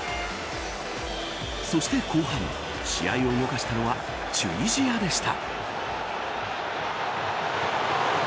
そして後半試合を動かしたのはチュニジアでした。